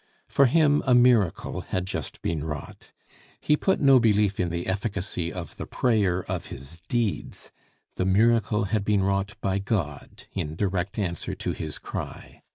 For him a miracle had just been wrought. He put no belief in the efficacy of the prayer of his deeds; the miracle had been wrought by God in direct answer to his cry.